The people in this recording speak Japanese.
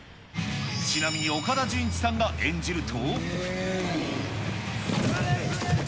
ちなみに岡田准一さんが演じると。